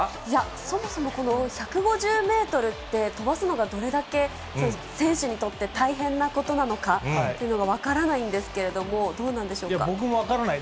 そもそもこの１５０メートルって、飛ばすのがどれだけ選手にとって大変なことなのかっていうのが分からないんですけれども、僕も分からない。